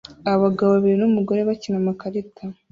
Abagabo babiri n'umugore bakina amakarita